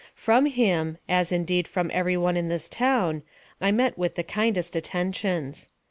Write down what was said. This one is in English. From him, as indeed from every one in this town, I met with the kindest attentions.